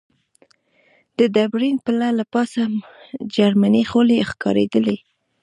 د ډبرین پله له پاسه جرمنۍ خولۍ ښکارېدلې.